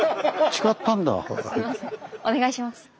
お願いします。